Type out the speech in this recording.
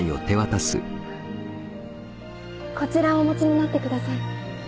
こちらをお持ちになってください。